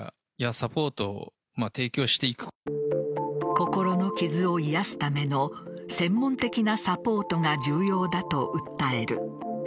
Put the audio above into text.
心の傷を癒やすための専門的なサポートが重要だと訴える。